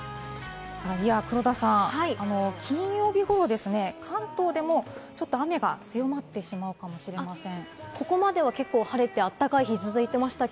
黒田さん、金曜日頃ですね、関東でもちょっと雨が強まってしまうかもしれません。